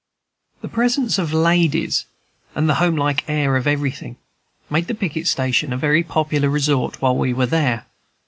The presence of ladies and the homelike air of everything, made the picket station a very popular resort while we were there.